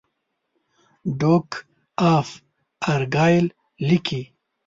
ډوک آف ارګایل لیکي.